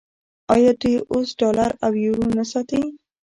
آیا دوی اوس ډالر او یورو نه ساتي؟